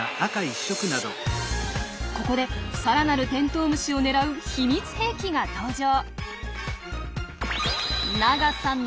ここで更なるテントウムシを狙う秘密兵器が登場。